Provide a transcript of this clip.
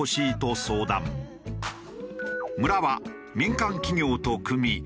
村は民間企業と組み